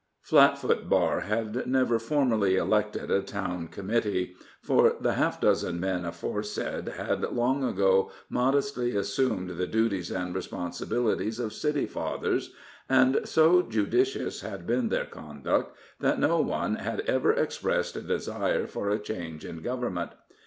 Flatfoot Bar had never formally elected a town committee, for the half dozen men aforesaid had long ago modestly assumed the duties and responsibilities of city fathers, and so judicious had been their conduct, that no one had ever expressed a desire for a change in the government.